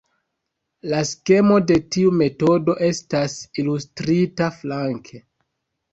La skemo de tiu metodo estas ilustrita flanke.